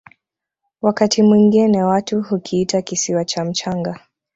wakati mwingine watu hukiita kisiwa cha mchanga